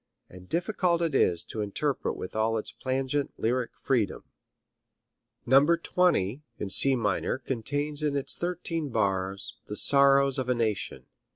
And difficult it is to interpret with all its plangent lyric freedom. No. 20 in C minor contains in its thirteen bars the sorrows of a nation.